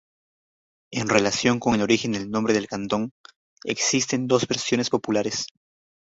En relación con el origen del nombre del cantón, existen dos versiones populares.